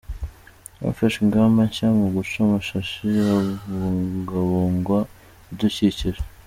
Hafashwe ingamba nshya mu guca amashashi habungabungwa ibidukikije